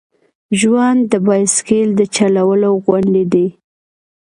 ژوند د بایسکل د چلولو غوندې دی.